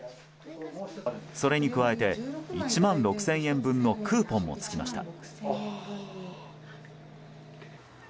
それに加えて１万６０００円分のクーポンもつきました。